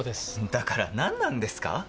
だから何なんですか